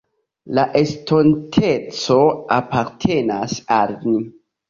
La estonteco apartenas al ni.